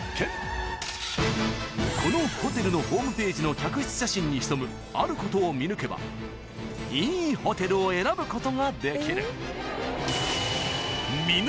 ［このホテルのホームページの客室写真に潜むあることを見抜けばいいホテルを選ぶことができる］